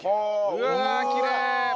うわあきれい！